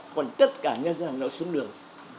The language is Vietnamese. còn tất cả nhân dân hàng nội xuống đường